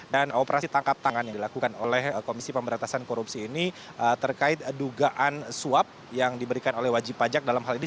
dan operasi tangkap tangan yang dilakukan oleh komisi pemberantasan korupsi ini terkait dugaan suap yang diberikan oleh wajib pajak dalam hal ini